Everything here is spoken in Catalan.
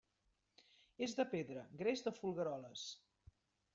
És de pedra, gres de Folgueroles.